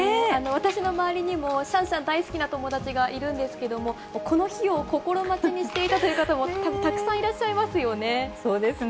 私の周りにも、シャンシャン大好きな友達がいるんですけども、この日を心待ちにしていたという方も、たくさんいらっしゃいますよね。